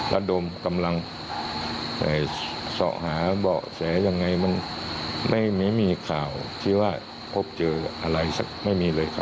ระดมกำลังสอบหาเบาะแสยังไงมันไม่มีข่าวที่ว่าพบเจออะไรสักไม่มีเลยครับ